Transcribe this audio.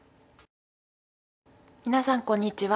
皆さんこんにちは。